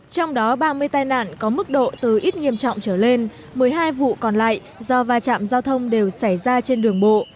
trong đó ba mươi tai nạn có mức độ từ ít nghiêm trọng trở lên một mươi hai vụ còn lại do va chạm giao thông đều xảy ra trên đường bộ